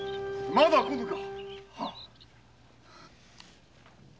まだ来ぬか？